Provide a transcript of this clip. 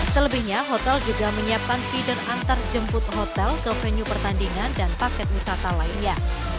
selebihnya hotel juga menyiapkan feeder antarjemput hotel ke venue pertandingan dan paket wisata lainnya